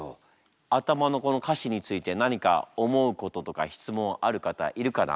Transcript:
頭のこの歌詞について何か思うこととか質問ある方いるかな？